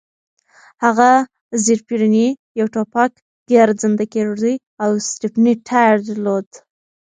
هغه زېرپېرني، یو ټوپک، ګرځنده کېږدۍ او یو سټپني ټایر درلود.